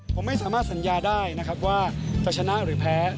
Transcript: ผมไม่สามารถสัญญาได้นะครับว่าจะชนะหรือแพ้